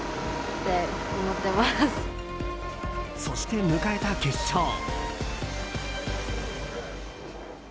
そして迎えた決勝。